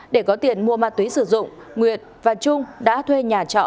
để có tiền mua ma túy sử dụng nguyệt và trung đã thuê nhà trọ